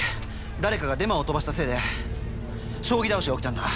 誰かがデマを飛ばしたせいで将棋倒しが起きたんだ。